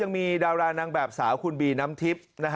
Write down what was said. ดารานางแบบสาวคุณบีน้ำทิพย์